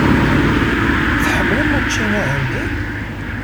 Tḥemmlem učči ahendi?